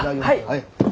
はい。